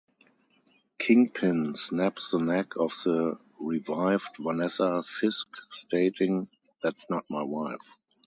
Kingpin snaps the neck of the revived Vanessa Fisk stating, That's not my wife.